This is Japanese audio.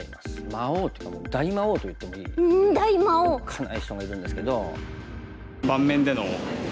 魔王というかもう「大魔王」といってもいいおっかない人がいるんですけど。